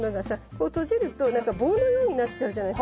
こう閉じるとなんか棒のようになっちゃうじゃない。